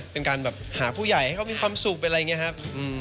เป็นการแบบหาผู้ใหญ่ให้เขามีความสุขอะไรอย่างนี้ครับ